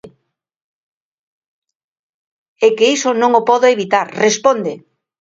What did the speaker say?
É que iso non o podo evitar, responde.